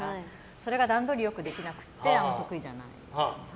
それが段取りよくできなくてあまり得意じゃない。